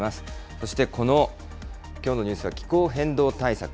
そしてこのきょうのニュースは気候変動対策。